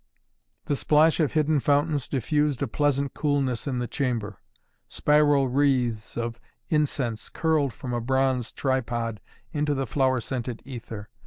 The splash of hidden fountains diffused a pleasant coolness in the chamber. Spiral wreaths of incense curled from a bronze tripod into the flower scented ether.